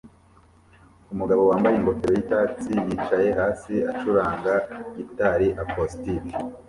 Umugabo wambaye ingofero yicyatsi yicaye hasi acuranga gitari acoustic